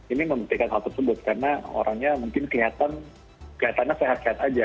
ini membuktikan hal tersebut karena orangnya mungkin kelihatannya sehat sehat aja